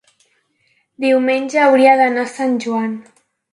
Diumenge hauria d'anar a Sant Joan.